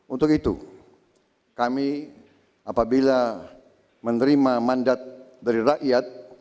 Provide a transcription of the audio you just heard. untuk itu kami apabila menerima mandat dari rakyat